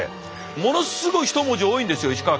ものすごい一文字多いんですよ石川県。